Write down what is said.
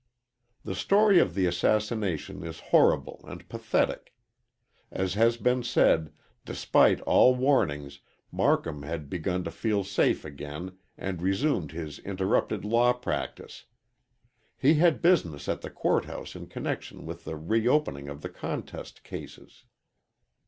The story of the assassination is horrible and pathetic. As has been said, despite all warnings Marcum had begun to feel safe again and resumed his interrupted law practice. He had business at the court house in connection with the reopening of the contest cases.